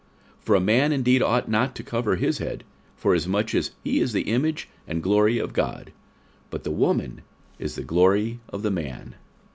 46:011:007 For a man indeed ought not to cover his head, forasmuch as he is the image and glory of God: but the woman is the glory of the man.